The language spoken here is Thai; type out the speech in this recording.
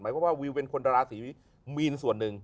หมายความว่าวิวเป็นคนระหล่าสีมีนส่วนนึง